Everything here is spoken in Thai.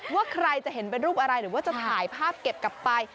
ว่าใครจะเห็นเป็นรูปอะไรหรือว่าจะถ่ายภาพเก็บกลับไป